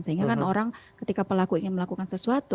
sehingga kan orang ketika pelaku ingin melakukan sesuatu